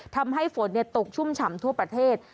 ทำให้ฝนตกชุ่มฉ่ำทั่วประเทศ